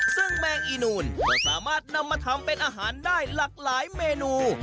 ซึ่งแมงอีนูนก็สามารถนำมาทำเป็นอาหารได้หลากหลายเมนู